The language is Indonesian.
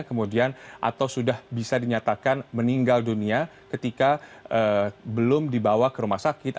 kemudian atau sudah bisa dinyatakan meninggal dunia ketika belum dibawa ke rumah sakit